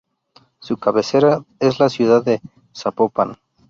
Su cabecera es la ciudad de Zapopan.